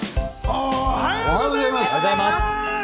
おはようございます。